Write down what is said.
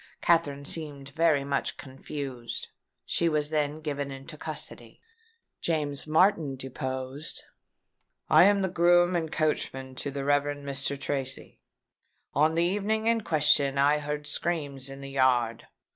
Katherine seemed very much confused. She was then given into custody." James Martin deposed: "I am groom and coachman to the Rev. Mr. Tracy. On the evening in question I heard screams in the yard.